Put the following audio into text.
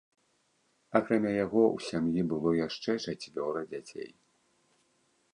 Акрамя яго ў сям'і было яшчэ чацвёра дзяцей.